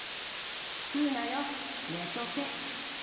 食うなよ、寝とけ。